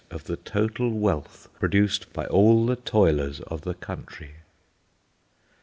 of the total wealth produced by all the toilers of the country.